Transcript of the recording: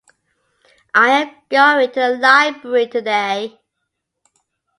میں آج لائبریری جا رہا ہوں۔